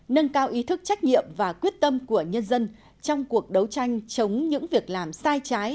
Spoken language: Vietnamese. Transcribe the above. nâng cao ý thức trách nhiệm và quyết tâm của nhân dân trong cuộc đấu tranh chống những việc làm sai trái